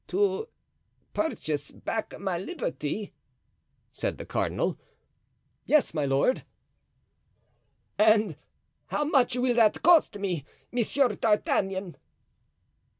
"To purchase back my liberty?" said the cardinal. "Yes, my lord." "And how much will that cost me, Monsieur d'Artagnan?"